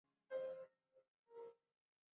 ওকে নজরে রেখো।